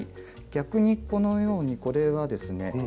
逆にこのようにこれはですね